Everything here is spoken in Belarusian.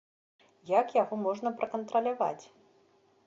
Як яго можна пракантраляваць?